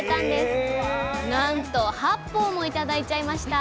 なんと８本も頂いちゃいました！